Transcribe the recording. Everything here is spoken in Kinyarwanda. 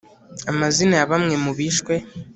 amazina ya bamwe mu bishwe.